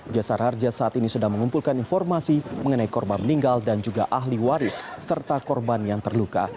jasar harja saat ini sedang mengumpulkan informasi mengenai korban meninggal dan juga ahli waris serta korban yang terluka